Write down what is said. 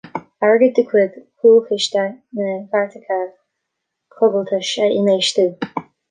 Airgead de chuid Chúlchiste na gCairteacha Coigiltis a infheistiú.